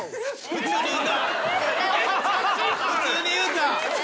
普通に言うた。